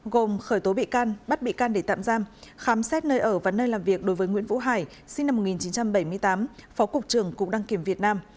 gồm khởi tố bị can bắt bị can để tạm giam khám xét nơi ở và nơi làm việc đối với nguyễn vũ hải sinh năm một nghìn chín trăm bảy mươi tám phó cục trưởng cục đăng kiểm việt nam